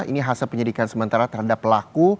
ini hasil penyidikan sementara terhadap pelaku